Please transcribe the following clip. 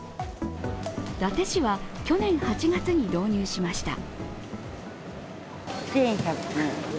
伊達市は去年８月に導入しました。